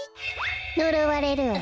のろわれるわよ。